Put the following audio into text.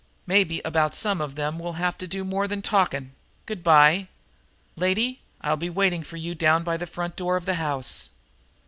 Maybe about some of them we'll have to do more than talking. Good by. Lady, I'll be waiting for you down by the front door of the house."